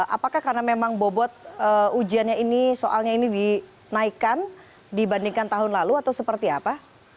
apakah karena memang bobot ujiannya ini soalnya ini dinaikkan dibandingkan tahun lalu atau seperti apa